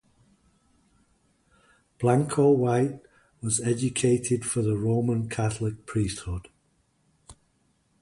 Blanco White was educated for the Roman Catholic priesthood.